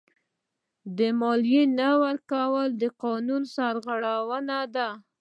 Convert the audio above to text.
د مالیې نه ورکړه د قانون سرغړونه ده.